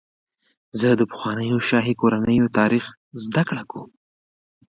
زه د پخوانیو شاهي کورنیو تاریخ زدهکړه کوم.